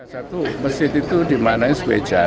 satu masjid itu dimaknai sebagai jamiat